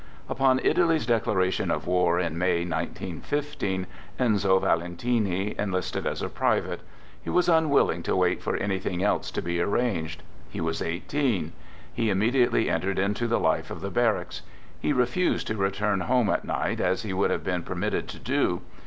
Upon Italy's declaration of war in May, 19 15, Enzo Valentini enlisted as a private. He was un willing to wait for anything else to be arranged. He was eighteen. He immediately entered into the life of the barracks. He refused to return home at night as he would have been permitted to do.